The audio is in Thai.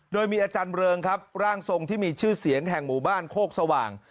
โดยมีอาจารย์เริงครับร่างทรงที่มีชื่อเสียงแห่งหมู่บ้านโคกสว่าง